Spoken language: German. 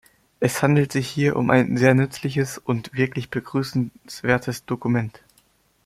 Es handelt sich hier um ein sehr nützliches und wirklich begrüßenswertes Dokument.